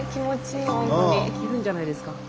いけるんじゃないですか。